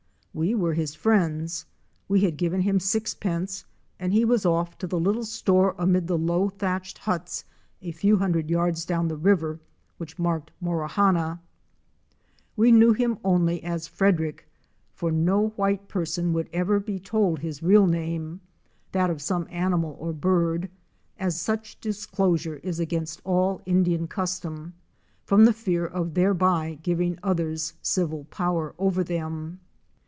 We were his friends— we had given him sixpence and he was off to the little store amid the low thatched huts a few hundred yards down the river, which marked Morawhanna. We knew him only as STEAMER AND LAUNCH TO HOORIE CREEK. 147 Frederick, for no white person would ever be told his real name — that of some animal or bird — as such disclosure is against all Indian custom, from the fear of thereby giving others evil power over them.